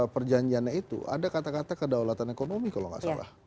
perjanjiannya itu ada kata kata kedaulatan ekonomi kalau nggak salah